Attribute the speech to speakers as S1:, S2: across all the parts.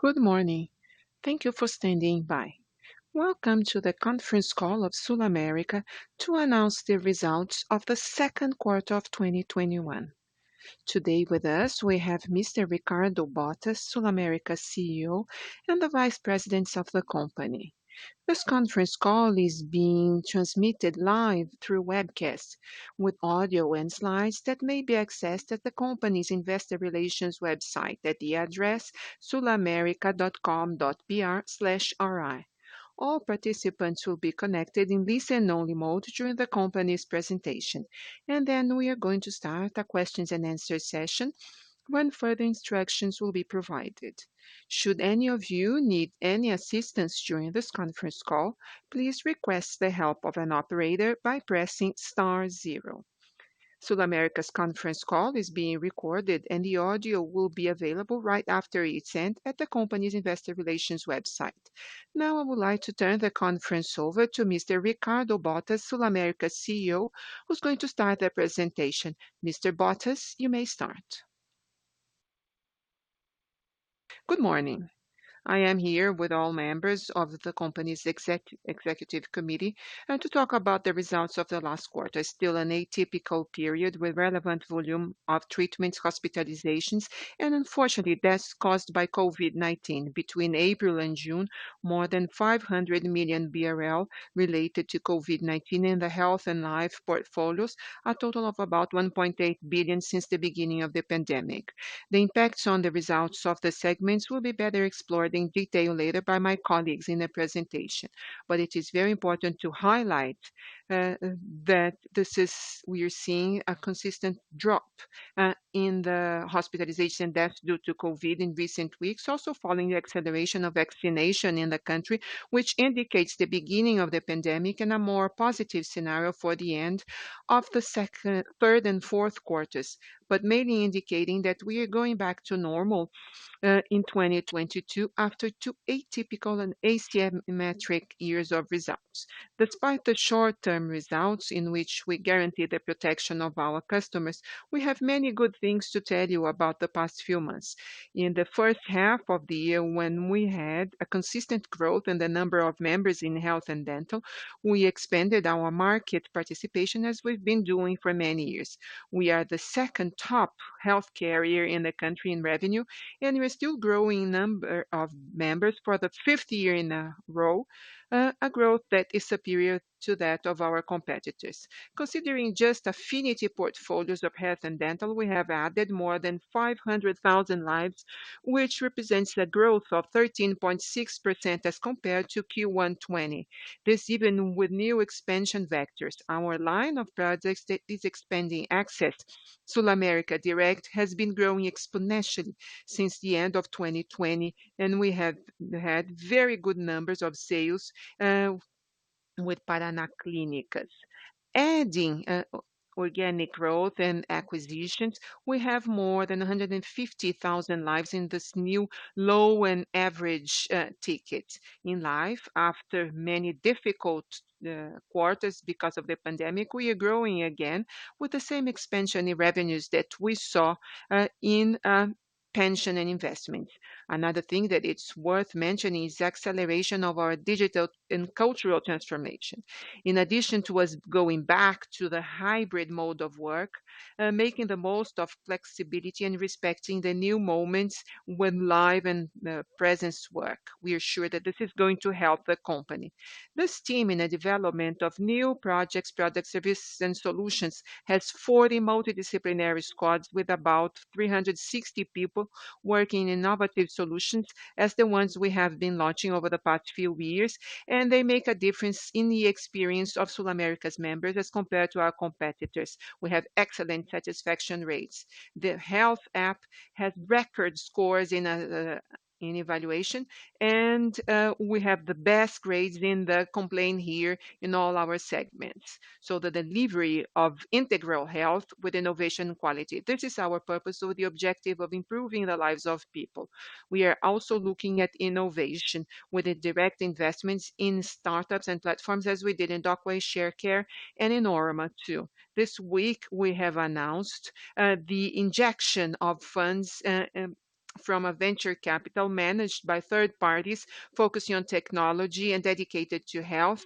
S1: Good morning. Thank you for standing by. Welcome to the conference call of SulAmérica to announce the results of the second quarter of 2021. Today with us, we have Mr. Ricardo Bottas, SulAmérica CEO, and the vice presidents of the company. This conference call is being transmitted live through webcast with audio and slides that may be accessed at the company's investor relations website at the address sulamerica.com.br/ri. All participants will be connected in listen-only mode during the company's presentation, and then we are going to start a questions and answer session when further instructions will be provided. SulAmérica's conference call is being recorded, and the audio will be available right after it ends at the company's investor relations website. I would like to turn the conference over to Mr. Ricardo Bottas, SulAmérica's CEO, who is going to start the presentation. Mr. Bottas, you may start.
S2: Good morning. I am here with all members of the company's executive committee and to talk about the results of the last quarter, still an atypical period with relevant volume of treatments, hospitalizations, and unfortunately, deaths caused by COVID-19. Between April and June, more than 500 million BRL related to COVID-19 in the health and life portfolios, a total of about 1.8 billion since the beginning of the pandemic. The impacts on the results of the segments will be better explored in detail later by my colleagues in the presentation. It is very important to highlight that we are seeing a consistent drop in the hospitalization and death due to COVID-19 in recent weeks, also following the acceleration of vaccination in the country, which indicates the beginning of the pandemic and a more positive scenario for the end of the third and fourth quarters, mainly indicating that we are going back to normal in 2022 after two atypical and asymmetric years of results. Despite the short-term results in which we guarantee the protection of our customers, we have many good things to tell you about the past few months. In the 1st half of the year, when we had a consistent growth in the number of members in health and dental, we expanded our market participation as we've been doing for many years. We are the second top health carrier in the country in revenue, and we're still growing number of members for the fifth year in a row, a growth that is superior to that of our competitors. Considering just affinity portfolios of health and dental, we have added more than 500,000 lives, which represents a growth of 13.6% as compared to Q1 2020. This, even with new expansion vectors. Our line of projects that is expanding access, SulAmérica Direto, has been growing exponentially since the end of 2020, and we have had very good numbers of sales with Paraná Clínicas. Adding organic growth and acquisitions, we have more than 150,000 lives in this new low and average ticket in life. After many difficult quarters because of the pandemic, we are growing again with the same expansion in revenues that we saw in pension and investment. Another thing that it's worth mentioning is the acceleration of our digital and cultural transformation. In addition to us going back to the hybrid mode of work, making the most of flexibility and respecting the new moments when live and presence work. We are sure that this is going to help the company. This team, in the development of new projects, products, services, and solutions, has 40 multidisciplinary squads with about 360 people working in innovative solutions as the ones we have been launching over the past few years, and they make a difference in the experience of SulAmérica's members as compared to our competitors. We have excellent satisfaction rates. The health app has record scores in evaluation, and we have the best grades in the complaint here in all our segments. The delivery of integral health with innovation quality. This is our purpose with the objective of improving the lives of people. We are also looking at innovation with the direct investments in startups and platforms as we did in Docway, Sharecare, and in Órama too. This week, we have announced the injection of funds from a venture capital managed by third parties, focusing on technology and dedicated to health,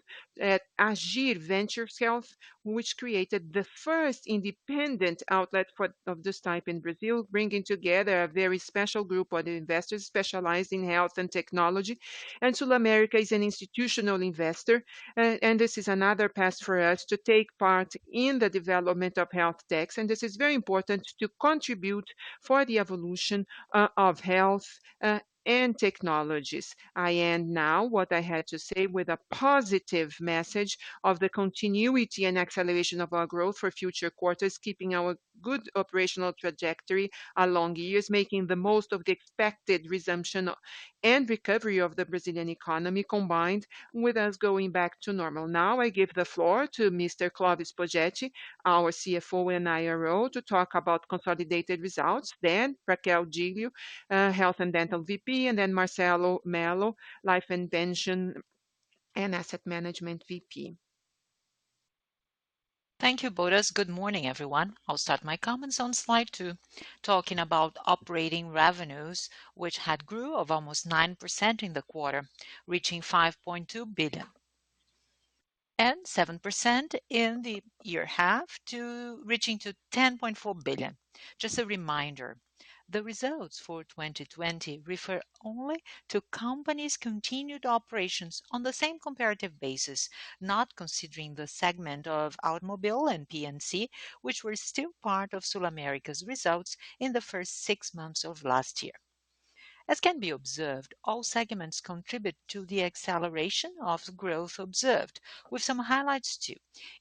S2: Aggir Ventures Health, which created the first independent outlet of this type in Brazil, bringing together a very special group of investors specialized in health and technology. SulAmérica is an institutional investor, and this is another path for us to take part in the development of health tech. This is very important to contribute for the evolution of health and technologies. I end now what I had to say with a positive message of the continuity and acceleration of our growth for future quarters, keeping our good operational trajectory along years, making the most of the expected resumption and recovery of the Brazilian economy, combined with us going back to normal. Now, I give the floor to Mr. Clovis Poggetti, our CFO and IRO, to talk about consolidated results, then Raquel Giglio, Health and Dental VP, and then Marcelo Mello, Life and Pension and Asset Management VP.
S3: Thank you, Bottas. Good morning, everyone. I'll start my comments on slide two, talking about operating revenues, which had grew of almost 9% in the quarter, reaching 5.2 billion, and 7% in the year half, reaching to 10.4 billion. Just a reminder, the results for 2020 refer only to companies' continued operations on the same comparative basis, not considering the segment of automobile and P&C, which were still part of SulAmérica's results in the first six months of last year. As can be observed, all segments contribute to the acceleration of growth observed, with some highlights too.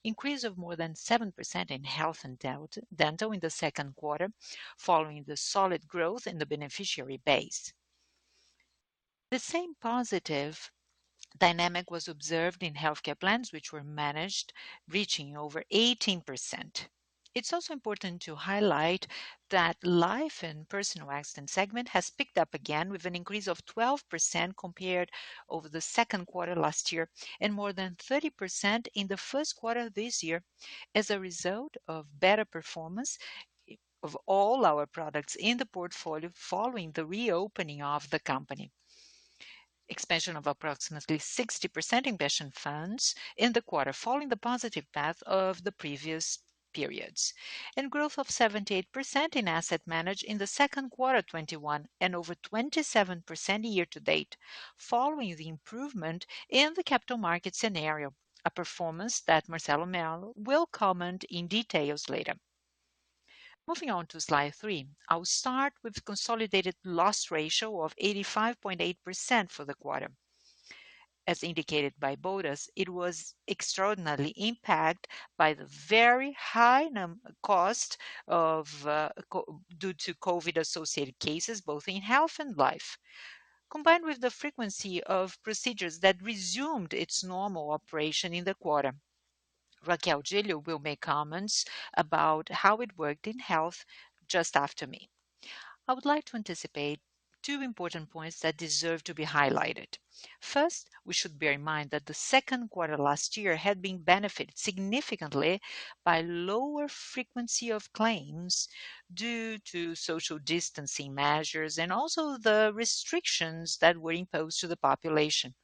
S3: Increase of more than 7% in health and dental in the second quarter, following the solid growth in the beneficiary base. The same positive dynamic was observed in healthcare plans which were managed, reaching over 18%. It's also important to highlight that life and personal accident segment has picked up again with an increase of 12% compared over the second quarter last year, and more than 30% in the first quarter of this year, as a result of better performance of all our products in the portfolio following the reopening of the company. Expansion of approximately 60% in pension funds in the quarter, following the positive path of the previous periods. Growth of 78% in asset management in the second quarter 2021, and over 27% year-to-date, following the improvement in the capital market scenario, a performance that Marcelo Mello will comment in details later. Moving on to slide three, I'll start with consolidated loss ratio of 85.8% for the quarter. As indicated by Bottas, it was extraordinarily impacted by the very high cost due to COVID-associated cases, both in health and life, combined with the frequency of procedures that resumed its normal operation in the quarter. Raquel Giglio will make comments about how it worked in health just after me. I would like to anticipate two important points that deserve to be highlighted. First, we should bear in mind that the second quarter last year had been benefited significantly by lower frequency of claims due to social distancing measures. Also the restrictions that were imposed to the population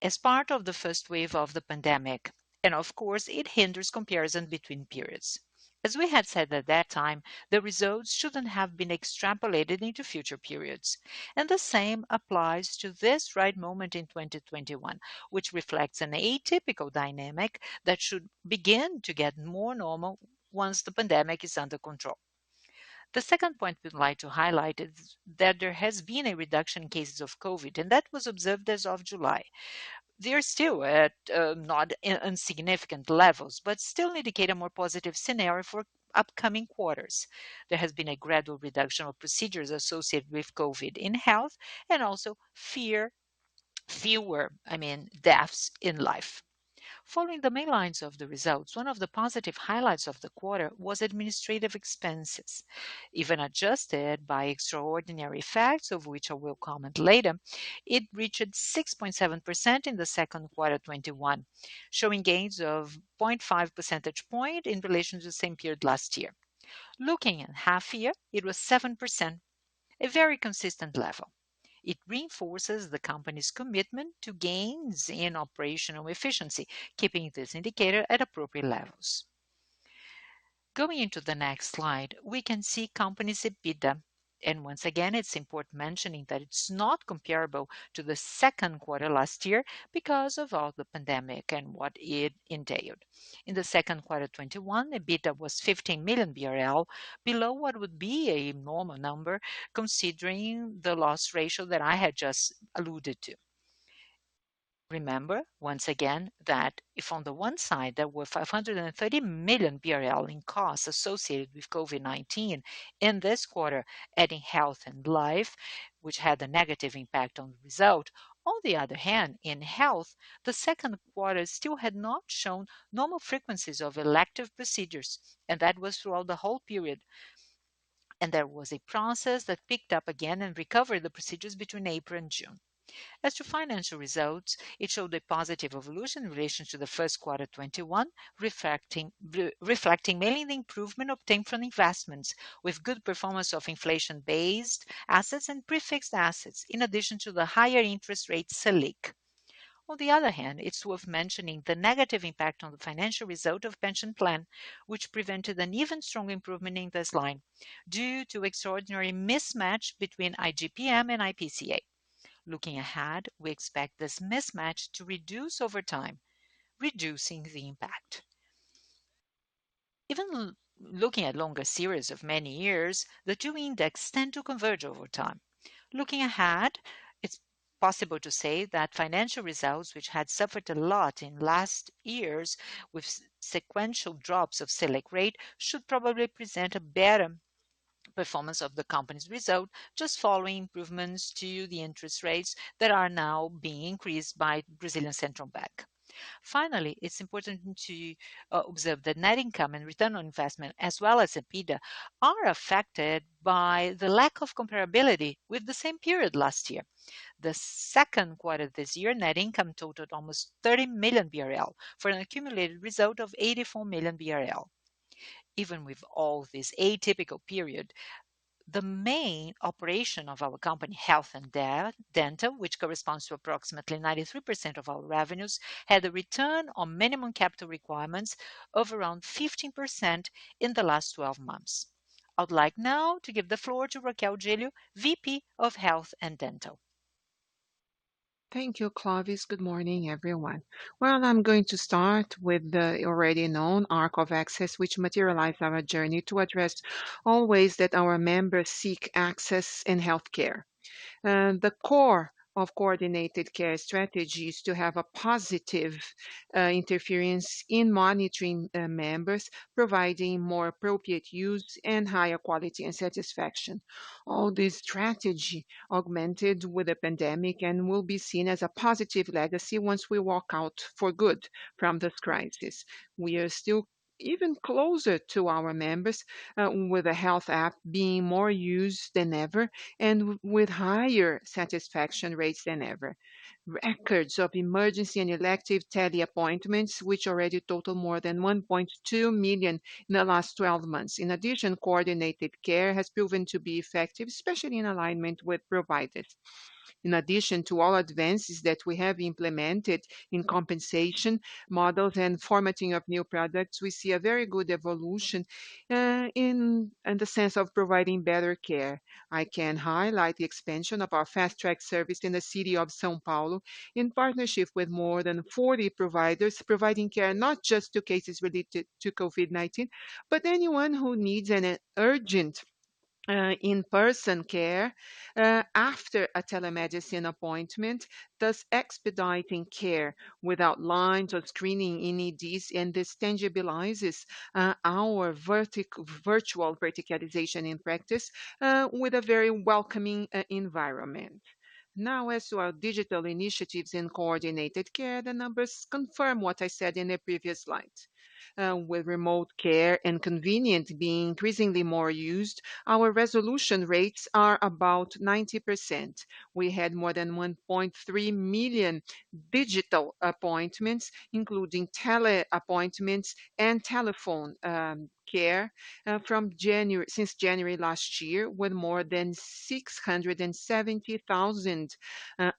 S3: as part of the first wave of the pandemic. Of course, it hinders comparison between periods. As we had said at that time, the results shouldn't have been extrapolated into future periods. The same applies to this right moment in 2021, which reflects an atypical dynamic that should begin to get more normal once the pandemic is under control. The second point we'd like to highlight is that there has been a reduction in cases of COVID, and that was observed as of July. They're still at not insignificant levels, but still indicate a more positive scenario for upcoming quarters. There has been a gradual reduction of procedures associated with COVID in health, and also fewer deaths in life. Following the main lines of the results, one of the positive highlights of the quarter was administrative expenses. Even adjusted by extraordinary facts, of which I will comment later, it reached 6.7% in the second quarter 21, showing gains of 0.5 percentage point in relation to the same period last year. Looking at half year, it was 7%, a very consistent level. It reinforces the company's commitment to gains in operational efficiency, keeping this indicator at appropriate levels. Going into the next slide, we can see company's EBITDA. Once again, it's important mentioning that it's not comparable to the second quarter last year because of all the pandemic and what it entailed. In the second quarter 2021, EBITDA was 15 million BRL, below what would be a normal number considering the loss ratio that I had just alluded to. Remember, once again, that if on the one side, there were 530 million BRL in costs associated with COVID-19 in this quarter, adding health and life, which had a negative impact on the result. In health, the second quarter still had not shown normal frequencies of elective procedures, and that was throughout the whole period, and there was a process that picked up again and recovered the procedures between April and June. As to financial results, it showed a positive evolution in relation to the first quarter 2021, reflecting mainly the improvement obtained from investments, with good performance of inflation-based assets and prefixed assets, in addition to the higher interest rates, Selic. It's worth mentioning the negative impact on the financial result of pension plan, which prevented an even strong improvement in this line due to extraordinary mismatch between IGPM and IPCA. Looking ahead, we expect this mismatch to reduce over time, reducing the impact. Even looking at longer series of many years, the two indexes tend to converge over time. Looking ahead, it's possible to say that financial results, which had suffered a lot in last years with sequential drops of Selic rate, should probably present a better performance of the company's result, just following improvements to the interest rates that are now being increased by Brazilian Central Bank. Finally, it's important to observe the net income and return on investment, as well as EBITDA, are affected by the lack of comparability with the same period last year. The second quarter of this year, net income totaled almost 30 million BRL for an accumulated result of 84 million BRL. Even with all this atypical period, the main operation of our company, health and dental, which corresponds to approximately 93% of our revenues, had a return on minimum capital requirements of around 15% in the last 12 months. I would like now to give the floor to Raquel Giglio, VP of Health and Dental.
S4: Thank you, Clovis. Good morning, everyone. Well, I'm going to start with the already known arc of access, which materialize our journey to address all ways that our members seek access in healthcare. The core of Coordinated Care strategy is to have a positive interference in monitoring members, providing more appropriate use and higher quality and satisfaction. All this strategy augmented with the pandemic and will be seen as a positive legacy once we walk out for good from this crisis. We are still even closer to our members, with the health app being more used than ever and with higher satisfaction rates than ever. Records of emergency and elective tele appointments, which already total more than 1.2 million in the last 12 months. In addition, Coordinated Care has proven to be effective, especially in alignment with providers. In addition to all advances that we have implemented in compensation models and formatting of new products, we see a very good evolution in the sense of providing better care. I can highlight the expansion of our Fast Track service in the city of São Paulo in partnership with more than 40 providers, providing care not just to cases related to COVID-19, but anyone who needs an urgent in-person care after a telemedicine appointment, thus expediting care without lines or screening needs, and this tangibilizes our virtual verticalization in practice with a very welcoming environment. Now, as to our digital initiatives in coordinated care, the numbers confirm what I said in the previous slide. With remote care and convenient being increasingly more used, our resolution rates are about 90%. We had more than 1.3 million digital appointments, including tele appointments and telephone care since January 2020, with more than 670,000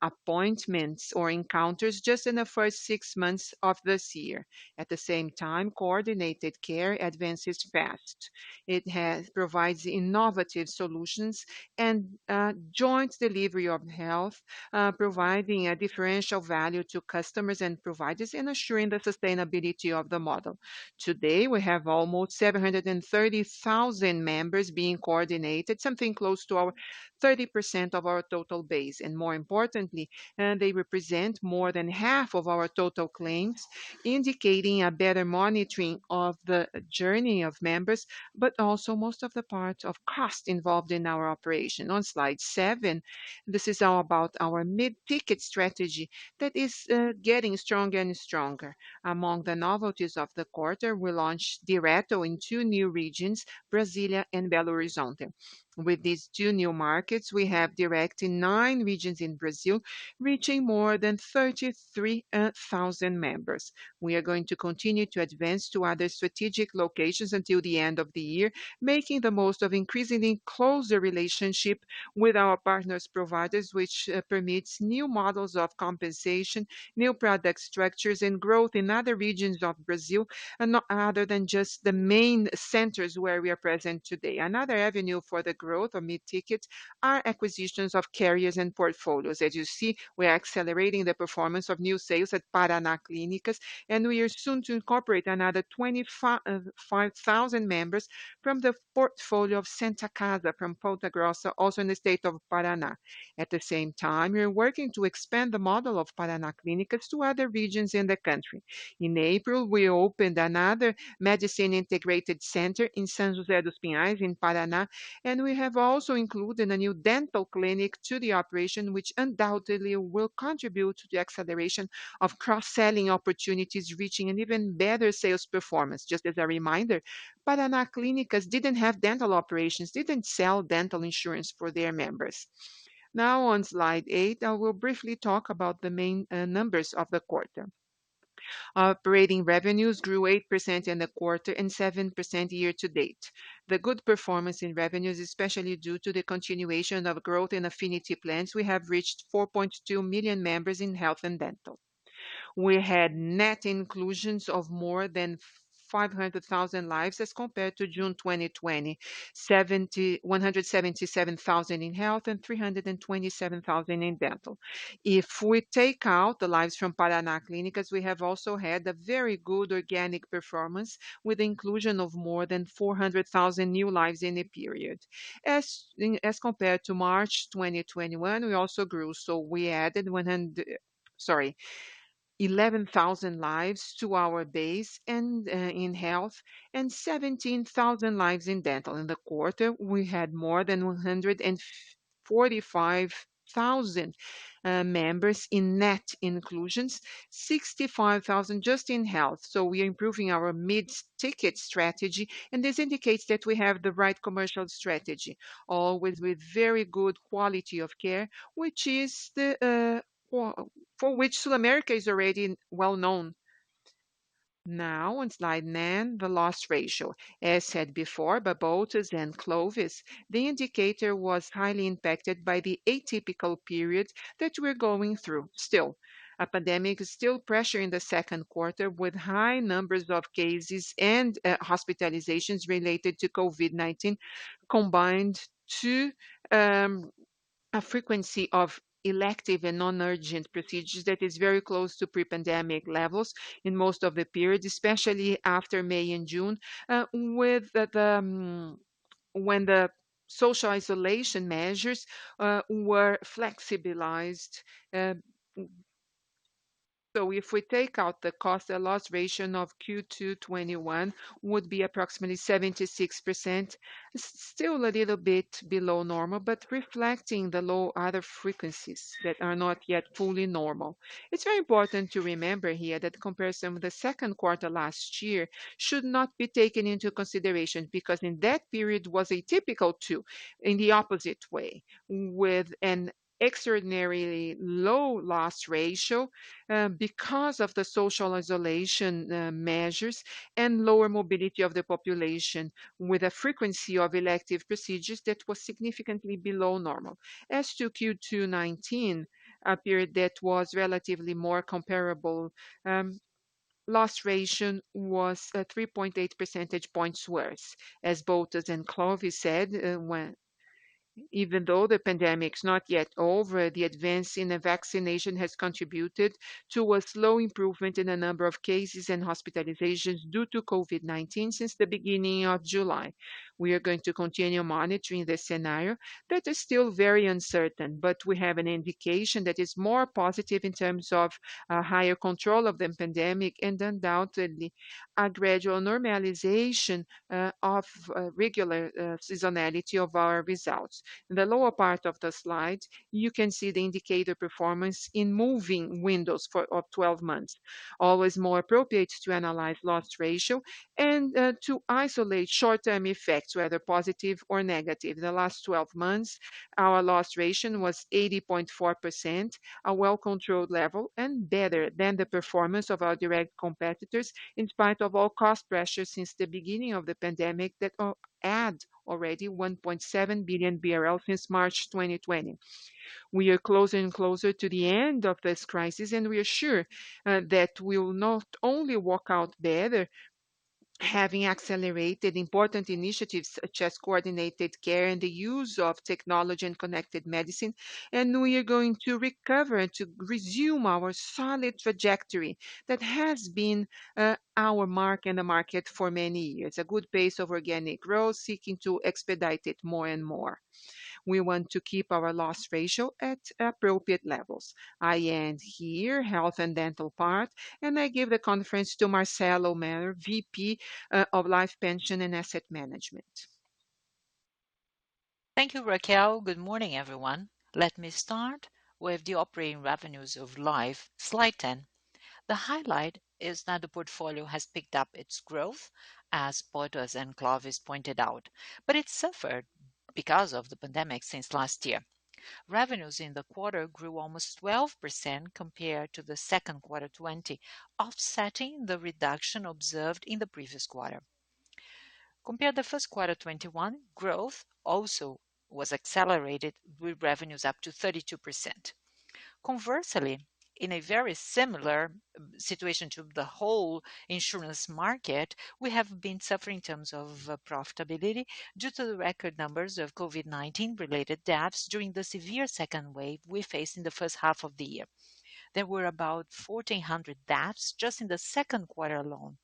S4: appointments or encounters just in the first six months of 2021. At the same time, coordinated care advances fast. It provides innovative solutions and joint delivery of health, providing a differential value to customers and providers in assuring the sustainability of the model. Today, we have almost 730,000 members being coordinated, something close to 30% of our total base. More importantly, they represent more than half of our total claims, indicating a better monitoring of the journey of members, but also most of the part of cost involved in our operation. On slide seven, this is all about our mid-ticket strategy that is getting stronger and stronger. Among the novelties of the quarter, we launched Direto in two new regions, Brasília and Belo Horizonte. With these two new markets, we have Direto in nine regions in Brazil, reaching more than 33,000 members. We are going to continue to advance to other strategic locations until the end of the year, making the most of increasingly closer relationship with our partners providers, which permits new models of compensation, new product structures, and growth in other regions of Brazil other than just the main centers where we are present today. Another avenue for the growth of mid-ticket are acquisitions of carriers and portfolios. As you see, we are accelerating the performance of new sales at Paraná Clínicas, and we are soon to incorporate another 25,000 members from the portfolio of Santa Casa from Ponta Grossa, also in the state of Paraná. At the same time, we are working to expand the model of Paraná Clínicas to other regions in the country. In April, we opened another medicine integrated center in São José dos Pinhais in Paraná, and we have also included a new dental clinic to the operation, which undoubtedly will contribute to the acceleration of cross-selling opportunities, reaching an even better sales performance. Just as a reminder, Paraná Clínicas didn't have dental operations, didn't sell dental insurance for their members. Now on slide 8, I will briefly talk about the main numbers of the quarter. Operating revenues grew 8% in the quarter and 7% year-to-date. The good performance in revenues, especially due to the continuation of growth in affinity plans, we have reached 4.2 million members in health and dental. We had net inclusions of more than 500,000 lives as compared to June 2020, 177,000 in health and 327,000 in dental. If we take out the lives from Paraná Clínicas, we have also had a very good organic performance with inclusion of more than 400,000 new lives in the period. As compared to March 2021, we also grew, so we added 11,000 lives to our base and in health and 17,000 lives in dental. In the quarter, we had more than 145,000 members in net inclusions, 65,000 just in health. We are improving our mid-ticket strategy, and this indicates that we have the right commercial strategy, always with very good quality of care, for which SulAmérica is already well known. Now on slide nine, the loss ratio. As said before by Bottas and Clovis, the indicator was highly impacted by the atypical period that we're going through still. A pandemic is still pressure in the second quarter with high numbers of cases and hospitalizations related to COVID-19, combined to a frequency of elective and non-urgent procedures that is very close to pre-pandemic levels in most of the periods, especially after May and June, when the social isolation measures were flexibilized. If we take out the cost, the loss ratio of Q2 2021 would be approximately 76%, still a little bit below normal, but reflecting the low other frequencies that are not yet fully normal. It's very important to remember here that the comparison with the second quarter last year should not be taken into consideration, because in that period was atypical too, in the opposite way, with an extraordinarily low loss ratio, because of the social isolation measures and lower mobility of the population with a frequency of elective procedures that was significantly below normal. As to Q2 2019, a period that was relatively more comparable, loss ratio was 3.8 percentage points worse. As Bottas and Clovis said, even though the pandemic's not yet over, the advance in the vaccination has contributed to a slow improvement in the number of cases and hospitalizations due to COVID-19 since the beginning of July. We are going to continue monitoring the scenario that is still very uncertain, but we have an indication that is more positive in terms of a higher control of the pandemic and undoubtedly a gradual normalization of regular seasonality of our results. In the lower part of the slide, you can see the indicator performance in moving windows of 12 months. Always more appropriate to analyze loss ratio and to isolate short-term effects, whether positive or negative. The last 12 months, our loss ratio was 80.4%, a well-controlled level, and better than the performance of our direct competitors in spite of all cost pressures since the beginning of the pandemic that add already 1.7 billion BRL since March 2020. We are closer and closer to the end of this crisis. We are sure that we will not only walk out better, having accelerated important initiatives such as coordinated care and the use of technology and connected medicine. We are going to recover and to resume our solid trajectory that has been our mark in the market for many years. A good pace of organic growth, seeking to expedite it more and more. We want to keep our loss ratio at appropriate levels. I end here, health and dental part. I give the conference to Marcelo Mello, VP of Life, Pension and Asset Management.
S5: Thank you, Raquel. Good morning, everyone. Let me start with the operating revenues of Life. Slide 10. The highlight is that the portfolio has picked up its growth, as Bottas and Clovis pointed out, it suffered because of the pandemic since last year. Revenues in the quarter grew almost 12% compared to the second quarter 2020, offsetting the reduction observed in the previous quarter. Compared to first quarter 2021, growth also was accelerated with revenues up to 32%. In a very similar situation to the whole insurance market, we have been suffering in terms of profitability due to the record numbers of COVID-19-related deaths during the severe second wave we faced in the first half of the year. There were about 1,400 deaths just in the second quarter alone,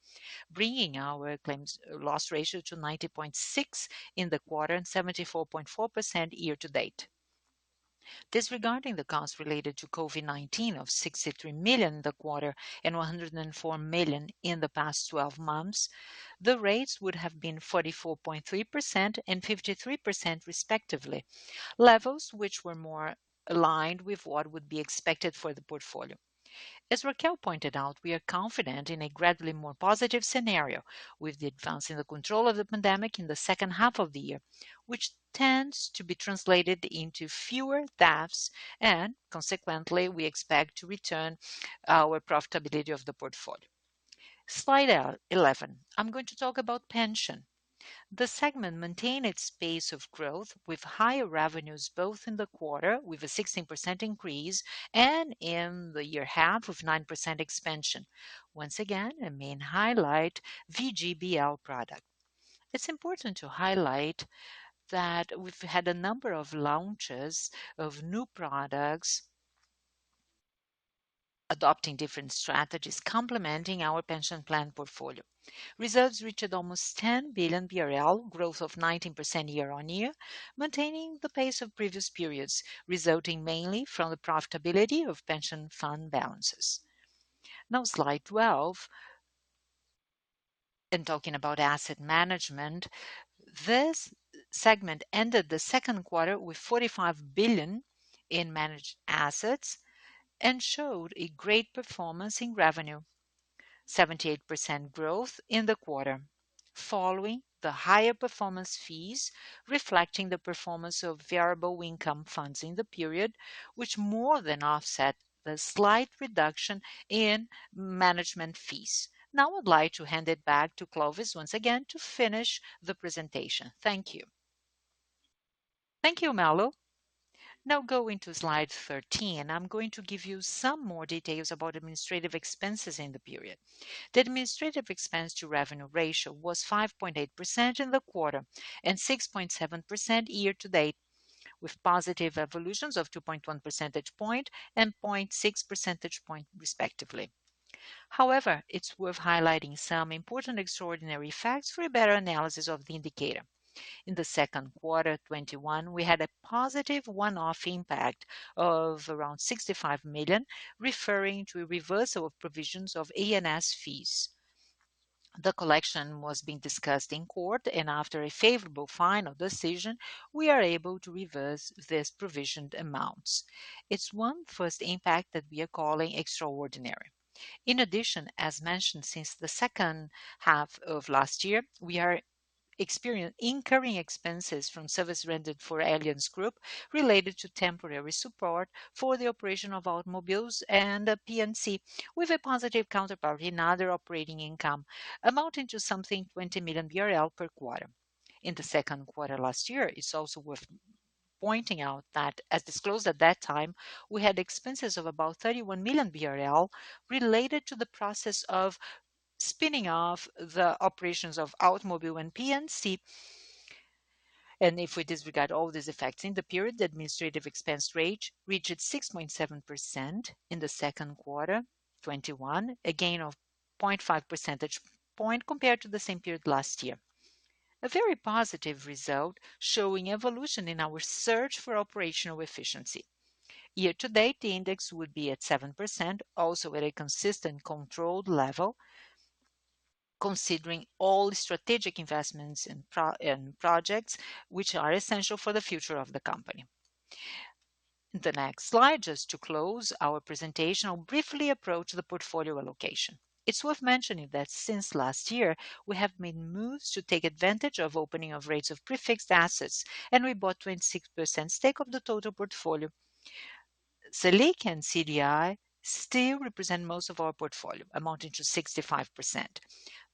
S5: bringing our claims loss ratio to 90.6% in the quarter and 74.4% year-to-date. Disregarding the cost related to COVID-19 of 63 million in the quarter and 104 million in the past 12 months, the rates would have been 44.3% and 53%, respectively, levels which were more aligned with what would be expected for the portfolio. As Raquel pointed out, we are confident in a gradually more positive scenario with the advance in the control of the pandemic in the second half of the year, which tends to be translated into fewer deaths. Consequently, we expect to return our profitability of the portfolio. Slide 11. I'm going to talk about pension. The segment maintained its pace of growth with higher revenues both in the quarter, with a 16% increase, and in the year half of 9% expansion. Once again, a main highlight, VGBL product. It's important to highlight that we've had a number of launches of new products adopting different strategies, complementing our pension plan portfolio. Results reached almost 10 billion BRL, growth of 19% year-on-year, maintaining the pace of previous periods, resulting mainly from the profitability of pension fund balances. Slide 12, in talking about asset management, this segment ended the second quarter with 45 billion in managed assets and showed a great performance in revenue, 78% growth in the quarter. Following the higher performance fees, reflecting the performance of variable income funds in the period, which more than offset the slight reduction in management fees. I'd like to hand it back to Clovis once again to finish the presentation. Thank you.
S3: Thank you, Mello. Going to slide 13. I'm going to give you some more details about administrative expenses in the period. The administrative expense to revenue ratio was 5.8% in the quarter and 6.7% year to date, with positive evolutions of 2.1 percentage point and 0.6 percentage point respectively. It's worth highlighting some important extraordinary facts for a better analysis of the indicator. In the second quarter 2021, we had a positive one-off impact of around 65 million, referring to a reversal of provisions of ANS fees. The collection was being discussed in court, and after a favorable final decision, we are able to reverse these provisioned amounts. It's one first impact that we are calling extraordinary. In addition, as mentioned, since the second half of last year, we are incurring expenses from service rendered for Allianz Group related to temporary support for the operation of automobiles and a P&C with a positive counterpart in other operating income amounting to something 20 million BRL per quarter. In the second quarter last year, it's also worth pointing out that as disclosed at that time, we had expenses of about 31 million BRL related to the process of spinning off the operations of automobile and P&C. If we disregard all these effects in the period, the administrative expense rate reached 6.7% in the second quarter 2021, a gain of 0.5 percentage point compared to the same period last year. A very positive result showing evolution in our search for operational efficiency. Year to date, the index would be at 7%, also at a consistent controlled level, considering all strategic investments and projects which are essential for the future of the company. The next slide, just to close our presentation, I'll briefly approach the portfolio allocation. It's worth mentioning that since last year, we have made moves to take advantage of opening of rates of prefixed assets. We bought 26% stake of the total portfolio. Selic and CDI still represent most of our portfolio, amounting to 65%.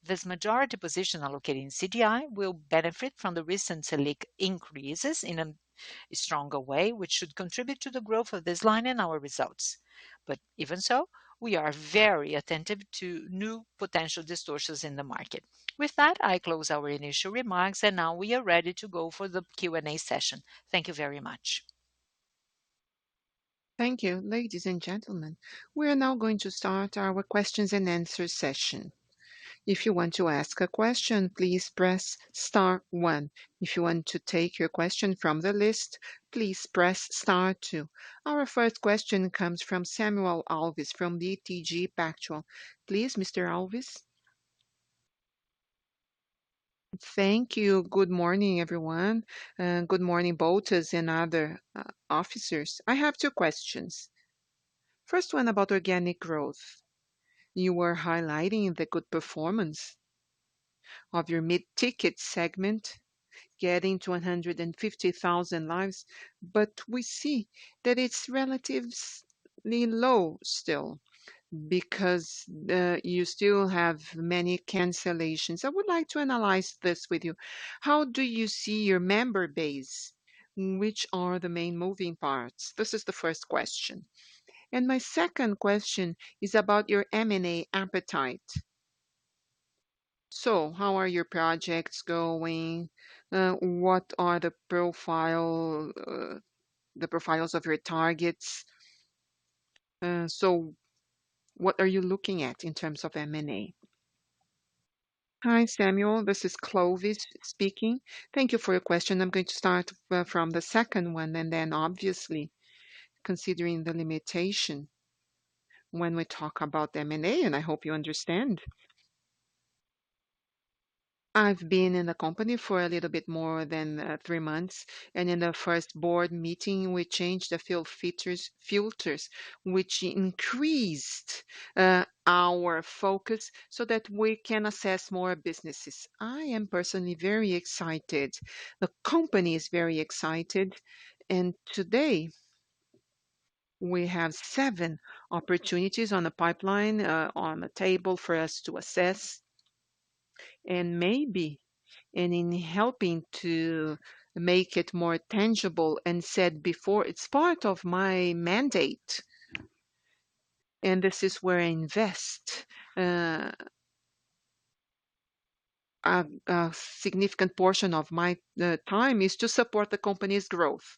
S3: This majority position allocated in CDI will benefit from the recent Selic increases in a stronger way, which should contribute to the growth of this line in our results. Even so, we are very attentive to new potential distortions in the market. With that, I close our initial remarks. Now we are ready to go for the Q&A session. Thank you very much.
S1: Thank you. Ladies and gentlemen, we are now going to start our questions and answer session. If you want to ask a question, please press star one. If you want to take your question from the list, please press star two. Our first question comes from Samuel Alves from BTG Pactual. Please, Mr. Alves.
S6: Thank you. Good morning, everyone. Good morning, Bottas and other officers. I have two questions. First one about organic growth. You were highlighting the good performance of your mid-ticket segment getting to 150,000 lives. We see that it's relatively low still because you still have many cancellations. I would like to analyze this with you. How do you see your member base? Which are the main moving parts? This is the first question. My second question is about your M&A appetite. How are your projects going? What are the profiles of your targets? What are you looking at in terms of M&A?
S3: Hi, Samuel. This is Clovis speaking. Thank you for your question. I'm going to start from the second one, and then obviously, considering the limitation when we talk about M&A, and I hope you understand. I've been in the company for a little bit more than three months, and in the first board meeting, we changed a few filters, which increased our focus so that we can assess more businesses. I am personally very excited. The company is very excited, and today we have seven opportunities on the pipeline, on the table for us to assess. Maybe, in helping to make it more tangible and said before, it's part of my mandate, and this is where I invest a significant portion of my time is to support the company's growth.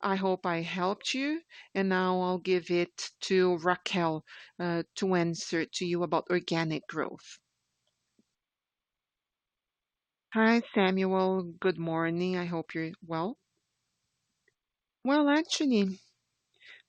S3: I hope I helped you, and now I'll give it to Raquel to answer to you about organic growth.
S4: Hi, Samuel. Good morning. I hope you're well. Well, actually,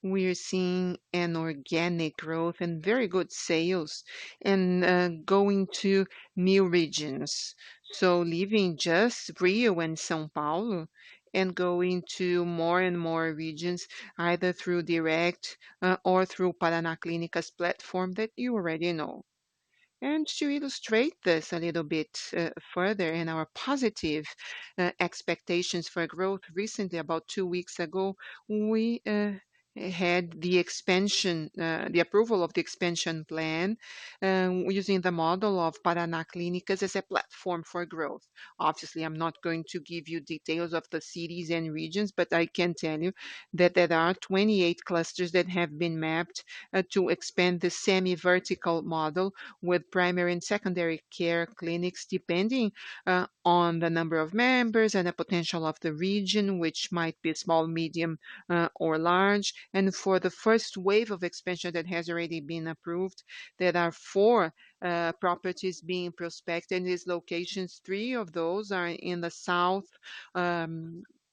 S4: we are seeing an organic growth and very good sales and going to new regions. Leaving just Rio and São Paulo and going to more and more regions, either through Direto or through Paraná Clínicas platform that you already know. To illustrate this a little bit further in our positive expectations for growth, recently, about two weeks ago, we had the approval of the expansion plan using the model of Paraná Clínicas as a platform for growth. Obviously, I'm not going to give you details of the cities and regions, but I can tell you that there are 28 clusters that have been mapped to expand the semi-vertical model with primary and secondary care clinics, depending on the number of members and the potential of the region, which might be small, medium, or large. For the first wave of expansion that has already been approved, there are four properties being prospected in these locations. Three of those are in the south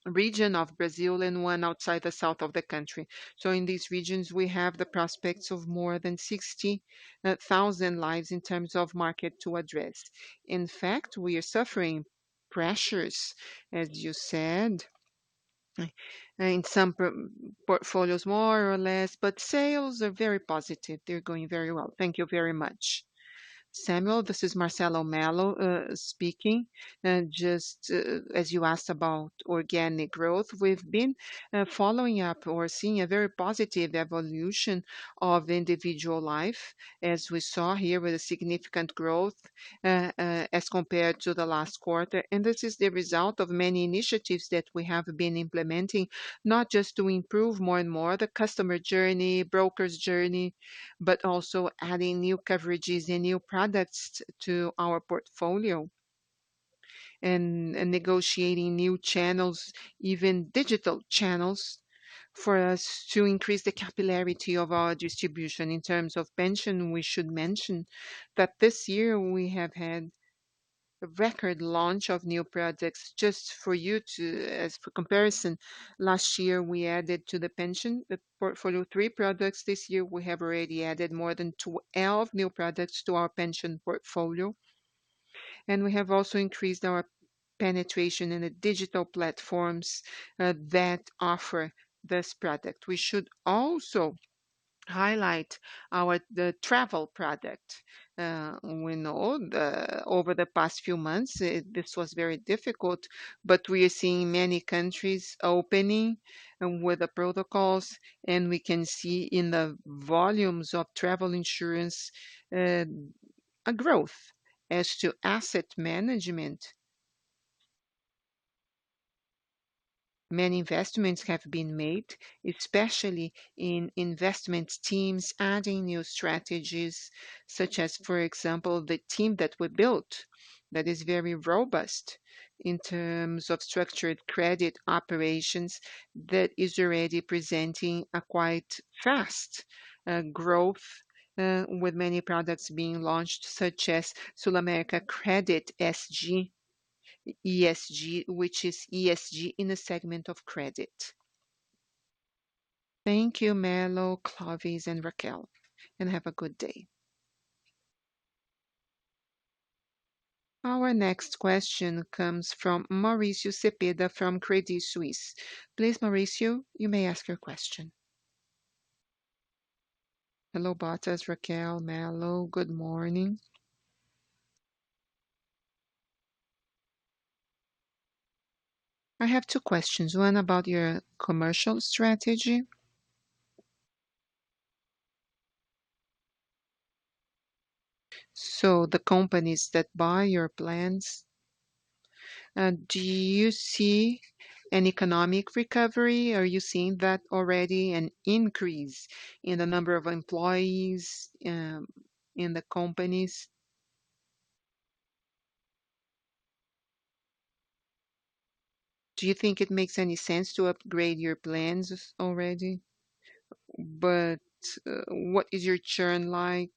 S4: region of Brazil and one outside the south of the country. In these regions, we have the prospects of more than 60,000 lives in terms of market to address. In fact, we are suffering pressures, as you said, in some portfolios, more or less, but sales are very positive. They're going very well. Thank you very much.
S5: Samuel, this is Marcelo Mello speaking. Just as you asked about organic growth, we've been following up or seeing a very positive evolution of individual life, as we saw here with a significant growth as compared to the last quarter. This is the result of many initiatives that we have been implementing, not just to improve more and more the customer journey, brokers' journey, but also adding new coverages and new products to our portfolio and negotiating new channels, even digital channels, for us to increase the capillarity of our distribution. In terms of pension, we should mention that this year we have had a record launch of new products. For comparison, last year, we added to the pension, the portfolio, three products. This year, we have already added more than 12 new products to our pension portfolio. We have also increased our penetration in the digital platforms that offer this product. We should also highlight the travel product. We know over the past few months, this was very difficult, but we are seeing many countries opening with the protocols, and we can see in the volumes of travel insurance, a growth. As to asset management, many investments have been made, especially in investment teams adding new strategies, such as, for example, the team that we built that is very robust in terms of structured credit operations that is already presenting a quite fast growth with many products being launched, such as SulAmérica Crédito ESG, which is ESG in the segment of credit.
S6: Thank you, Mello, Clovis, and Raquel, and have a good day.
S1: Our next question comes from Mauricio Cepeda from Credit Suisse. Please, Mauricio, you may ask your question.
S7: Hello, Bottas, Raquel, Mello. Good morning. I have two questions, one about your commercial strategy. The companies that buy your plans, do you see an economic recovery? Are you seeing that already, an increase in the number of employees in the companies? Do you think it makes any sense to upgrade your plans already? What is your churn like?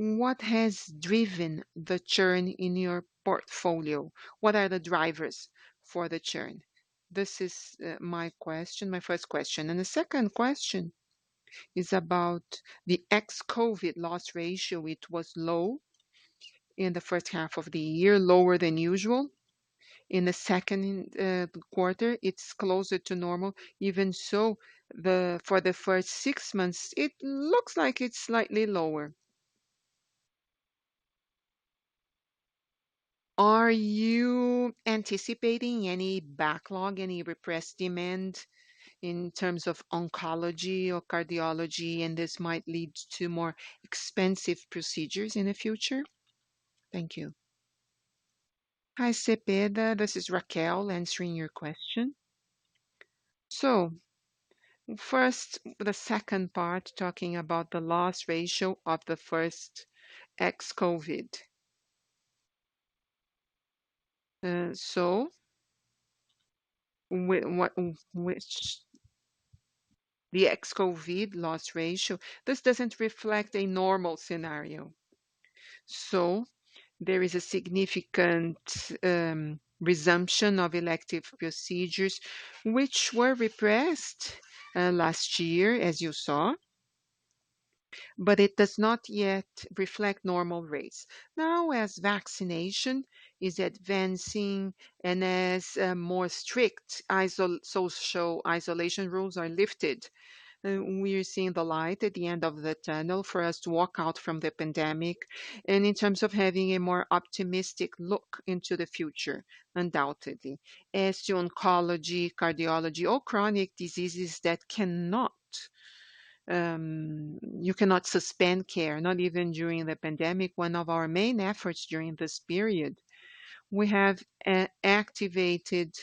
S7: What has driven the churn in your portfolio? What are the drivers for the churn? This is my first question. The second question is about the ex-COVID loss ratio. It was low in the first half of the year, lower than usual. In the second quarter, it's closer to normal. Even so, for the first six months, it looks like it's slightly lower. Are you anticipating any backlog, any repressed demand in terms of oncology or cardiology, and this might lead to more expensive procedures in the future? Thank you.
S4: Hi, Cepeda. This is Raquel answering your question. First, the second part, talking about the loss ratio of the first ex-COVID. The ex-COVID loss ratio, this doesn't reflect a normal scenario. There is a significant resumption of elective procedures, which were repressed last year, as you saw. It does not yet reflect normal rates. As vaccination is advancing and as more strict social isolation rules are lifted, we are seeing the light at the end of the tunnel for us to walk out from the pandemic, and in terms of having a more optimistic look into the future, undoubtedly. As to oncology, cardiology, or chronic diseases that you cannot suspend care, not even during the pandemic. One of our main efforts during this period, we have activated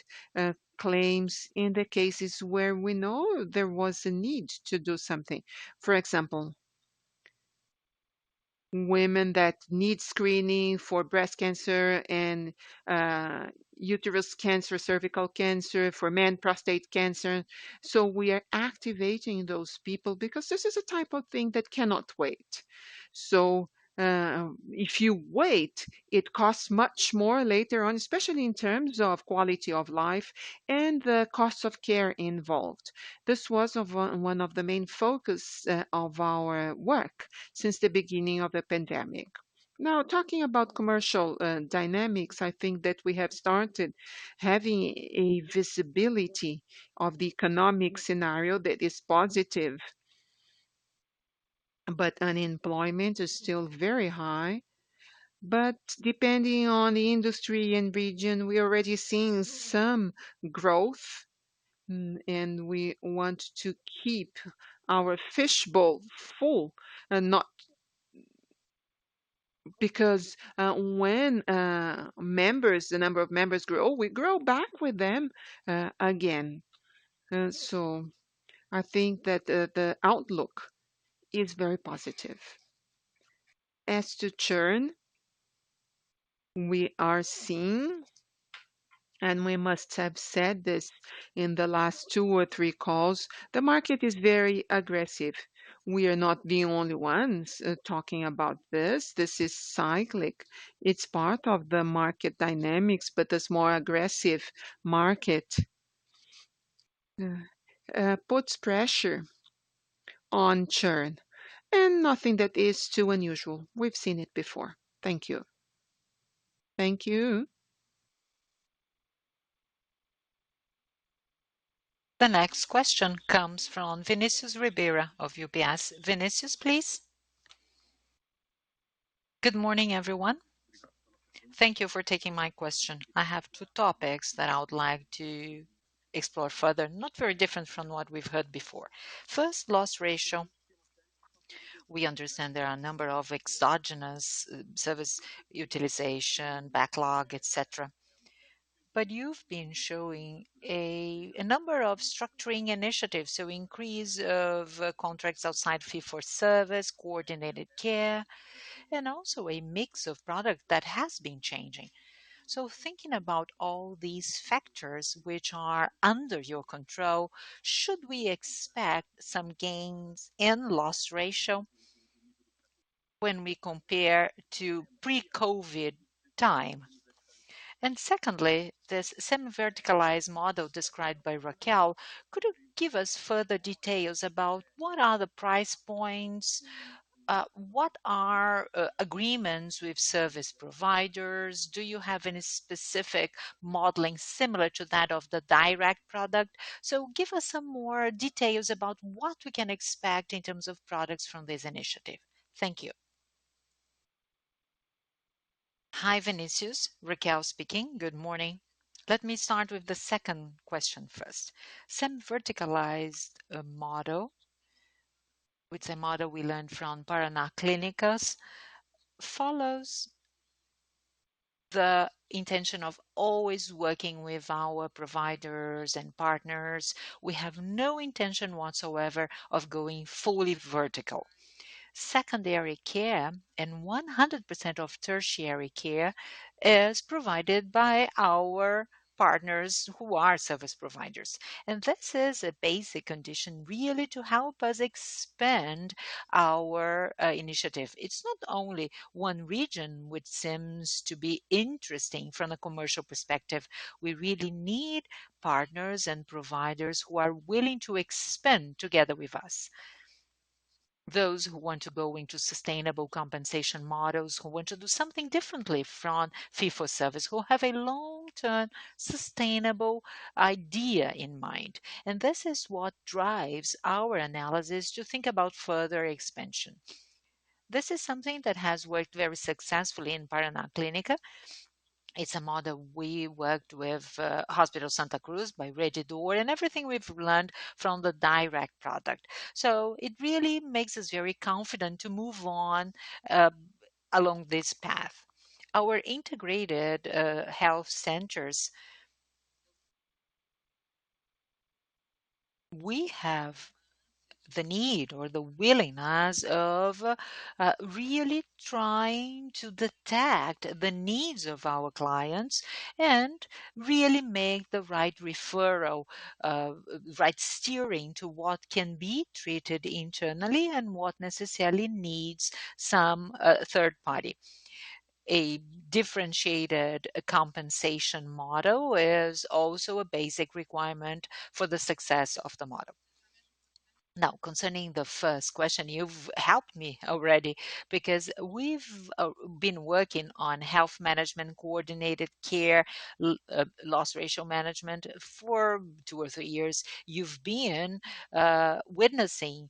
S4: claims in the cases where we know there was a need to do something. For example, women that need screening for breast cancer and uterus cancer, cervical cancer. For men, prostate cancer. We are activating those people because this is a type of thing that cannot wait. If you wait, it costs much more later on, especially in terms of quality of life and the cost of care involved. This was one of the main focus of our work since the beginning of the pandemic. Now, talking about commercial dynamics, I think that we have started having a visibility of the economic scenario that is positive. Unemployment is still very high. Depending on the industry and region, we are already seeing some growth, and we want to keep our fishbowl full. When the number of members grow, we grow back with them again. I think that the outlook is very positive. As to churn, we are seeing, and we must have said this in the last two or three calls, the market is very aggressive. We are not the only ones talking about this. This is cyclic. It's part of the market dynamics, but this more aggressive market puts pressure on churn. Nothing that is too unusual. We've seen it before. Thank you.
S1: Thank you. The next question comes from Vinicius Ribeiro of UBS. Vinicius, please.
S8: Good morning, everyone. Thank you for taking my question. I have two topics that I would like to explore further, not very different from what we've heard before. First, loss ratio. We understand there are a number of exogenous service utilization, backlog, et cetera. You've been showing a number of structuring initiatives, so increase of contracts outside fee for service, coordinated care, and also a mix of product that has been changing. Thinking about all these factors which are under your control, should we expect some gains in loss ratio when we compare to pre-COVID time? Secondly, this semi-verticalized model described by Raquel, could you give us further details about what are the price points? What are agreements with service providers? Do you have any specific modeling similar to that of the Direto product? Give us some more details about what we can expect in terms of products from this initiative. Thank you.
S4: Hi, Vinicius. Raquel speaking. Good morning. Let me start with the second question first. Semi-verticalized model, which is a model we learned from Paraná Clínicas, follows the intention of always working with our providers and partners. We have no intention whatsoever of going fully vertical. Secondary care and 100% of tertiary care is provided by our partners who are service providers. This is a basic condition really to help us expand our initiative. It's not only one region which seems to be interesting from a commercial perspective. We really need partners and providers who are willing to expand together with us. Those who want to go into sustainable compensation models, who want to do something differently from fee for service, who have a long-term sustainable idea in mind. This is what drives our analysis to think about further expansion. This is something that has worked very successfully in Paraná Clínicas. It's a model we worked with Hospital Santa Cruz by Rede D'Or and everything we've learned from the Direto product. It really makes us very confident to move on along this path. Our integrated health centers, we have the need or the willingness of really trying to detect the needs of our clients and really make the right referral, right steering to what can be treated internally and what necessarily needs some third party. A differentiated compensation model is also a basic requirement for the success of the model. Concerning the first question, you've helped me already because we've been working on health management, coordinated care, loss ratio management for two or three years. You've been witnessing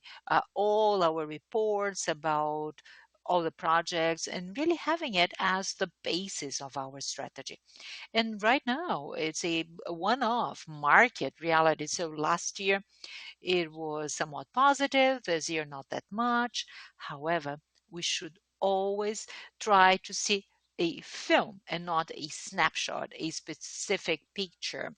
S4: all our reports about all the projects and really having it as the basis of our strategy. Right now it's a one-off market reality. Last year it was somewhat positive. This year, not that much. However, we should always try to see a film and not a snapshot, a specific picture.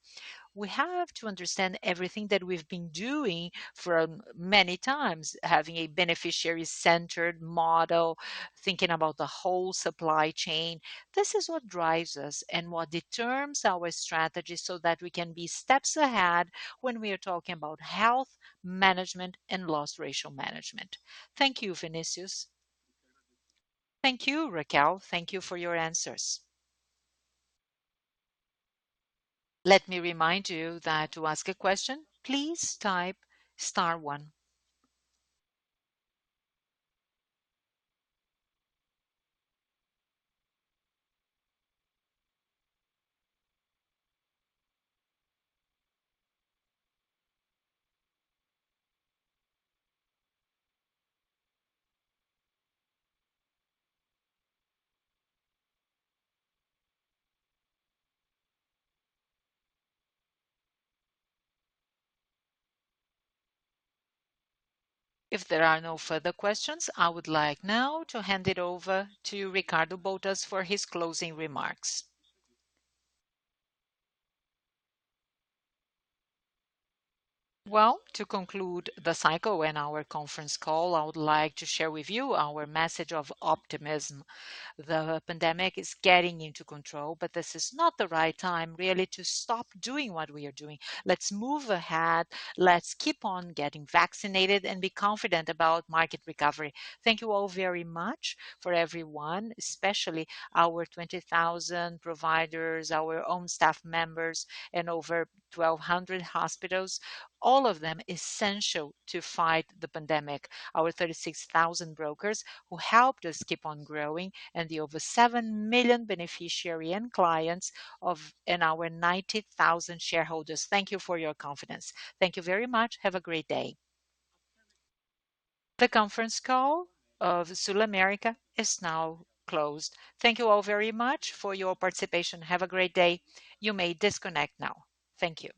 S4: We have to understand everything that we've been doing for many times, having a beneficiary-centered model, thinking about the whole supply chain. This is what drives us and what determines our strategy so that we can be steps ahead when we are talking about health management and loss ratio management. Thank you, Vinicius.
S8: Thank you, Raquel. Thank you for your answers.
S1: Let me remind you that to ask a question, please type star one. If there are no further questions, I would like now to hand it over to Ricardo Bottas for his closing remarks.
S2: Well, to conclude the cycle and our conference call, I would like to share with you our message of optimism. The pandemic is getting into control, but this is not the right time, really, to stop doing what we are doing. Let's move ahead. Let's keep on getting vaccinated and be confident about market recovery. Thank you all very much for everyone, especially our 20,000 providers, our own staff members, and over 1,200 hospitals, all of them essential to fight the pandemic. Our 36,000 brokers who helped us keep on growing and the over 7 million beneficiary and clients and our 90,000 shareholders, thank you for your confidence. Thank you very much. Have a great day.
S1: The conference call of SulAmérica is now closed. Thank you all very much for your participation. Have a great day. You may disconnect now. Thank you.